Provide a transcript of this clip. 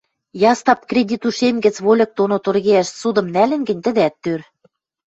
Ястап кредит ушем гӹц вольык доно торгейӓш ссудым нӓлӹн гӹнь, тӹдӓт тӧр.